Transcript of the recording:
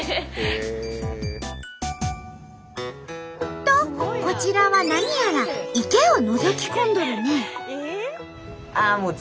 とこちらは何やら池をのぞき込んどるね。